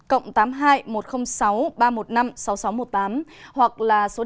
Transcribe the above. hoặc là số điện thoại